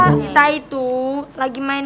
kita itu lagi main